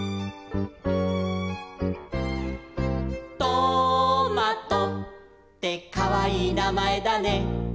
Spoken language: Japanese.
「トマトってかわいいなまえだね」